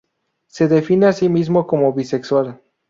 Se define a sí mismo como bisexual.